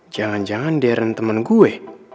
jangan jangan dern temen gue